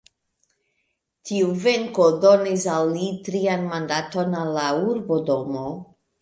Tiu venko donis al li trian mandaton al la urbodomo.